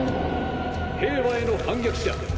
平和への反逆者